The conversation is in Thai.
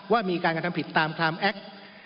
ว่ามีการการทำผิดตามคลามแอค๑๙๐๐